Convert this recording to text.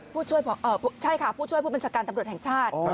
ผู้ช่วยเอ่อใช่ค่ะผู้ช่วยผู้บัญชาการตำรวจแห่งชาติอ๋อ